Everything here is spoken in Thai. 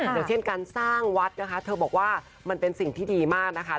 อย่างเช่นการสร้างวัดนะคะเธอบอกว่ามันเป็นสิ่งที่ดีมากนะคะ